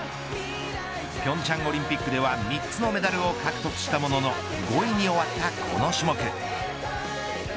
平昌オリンピックでは３つのメダルを獲得したものの５位に終わったこの種目。